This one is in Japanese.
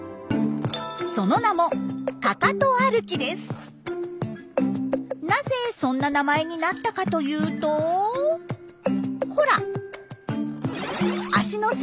その名もなぜそんな名前になったかというとほら足の先端にご注目。